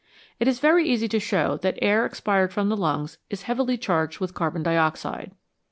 It is very easy to show that air expired from the lungs is heavily charged with carbon dioxide.